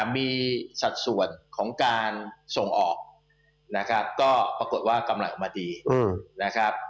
มีสัดส่วนของการส่งออกนะครับก็ปรากฏว่ากำไรออกมาดีนะครับ